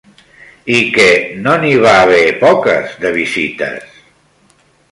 I que no n'hi va haver poques de visites!